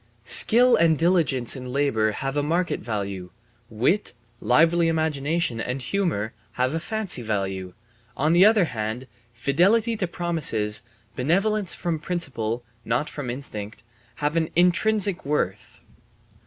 Skill and diligence in labour have a market value; wit, lively imagination, and humour, have fancy value; on the other hand, fidelity to promises, benevolence from principle (not from instinct), have an intrinsic worth.